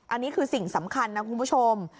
อันนี้คือสิ่งสำคัญนะคุณผู้ชม